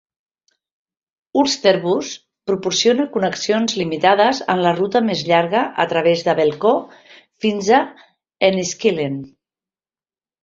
Ulsterbus proporciona connexions limitades en la ruta més llarga a través de Belcoo fins a Enniskillen.